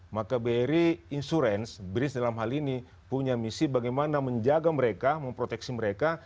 maka bri insurance bris dalam hal ini punya misi bagaimana menjaga mereka memproteksi mereka